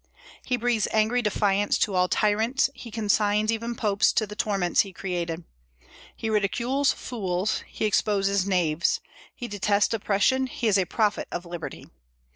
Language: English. He breathes angry defiance to all tyrants; he consigns even popes to the torments he created. He ridicules fools; he exposes knaves. He detests oppression; he is a prophet of liberty.